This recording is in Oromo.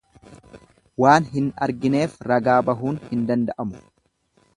Waan hin argineef ragaa bahuun hin danda'amu.